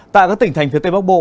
tại các tỉnh thành phía tây bắc bộ